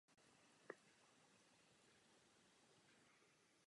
Rozprava, kterou vedeme, se týká poslední diktatury v Evropě.